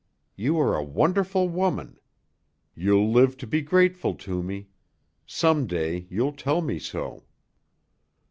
You are a wonderful woman. You'll live to be grateful to me. Some day you'll tell me so."